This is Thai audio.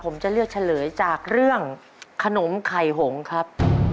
ผมจะเลือกเฉลยจากเรื่องขนมไข่หงครับ